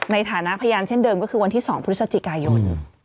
ในฐานะพยานเช่นเดิมก็คือวันที่๒พฤศจิกายน